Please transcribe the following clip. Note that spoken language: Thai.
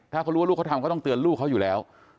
ถ้าเขารู้ว่าลูกเขาทำก็ต้องเตือนลูกเขาอยู่แล้ว